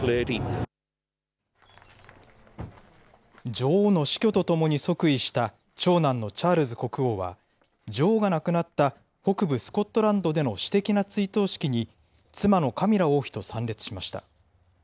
女王の死去とともに即位した長男のチャールズ国王は、女王が亡くなった北部スコットランドでの私的な追悼式に、妻のカミラ王妃と参列しました。